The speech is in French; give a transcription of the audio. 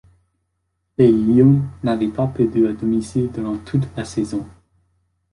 Les Lions n'avaient pas perdu à domicile durant toute la saison.